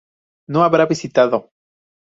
No habrá visitado